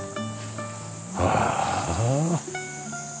ああ。